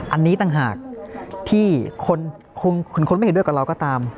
อันนี้ต่างหากที่คนไม่เห็นด้วยกับเราก็ตาม